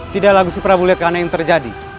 tidaklah gusih prabu lihat keadaan yang terjadi